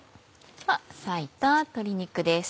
では割いた鶏肉です。